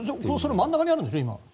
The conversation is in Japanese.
真ん中にあるんでしょ？